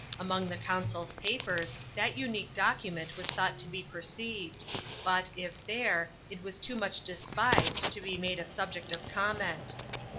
Among the consul's papers, that unique document was thought to be per ceired ; but, if there, it was too much despised to be made a subject of comment.